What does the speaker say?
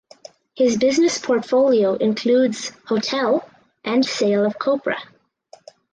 His business portfolio includes hotel and sale of copra.